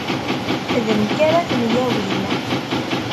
D nekk ara ten-yawin.